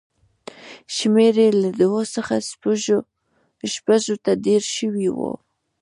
شمېر یې له دوو څخه شپږو ته ډېر شوی و